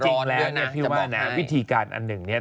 แต่จริงแหละพี่ว่านะวิธีการอันหนึ่งเนี่ย